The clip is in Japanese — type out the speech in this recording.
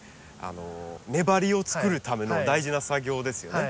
根張りを作るための大事な作業ですよね。